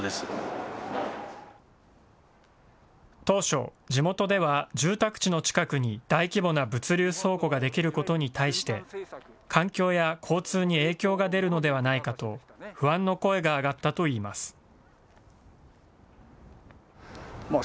当初、地元では住宅地の近くに大規模な物流倉庫が出来ることに対して、環境や交通に影響が出るのではないかと不安の声が上がったといいます。